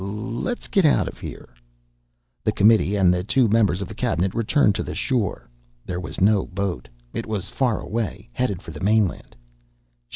"L let's get out of here!" The committee and the two members of the cabinet returned to the shore. There was no boat. It was far away, headed for the mainland.